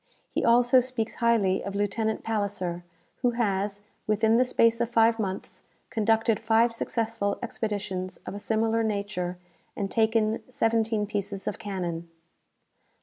He also speaks highly of Lieutenant Palisser, who has, within the space of five months, conducted five successful expeditions of a similar nature, and taken seventeen pieces of cannon."